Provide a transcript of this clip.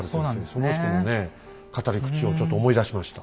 その人のね語り口をちょっと思い出しました。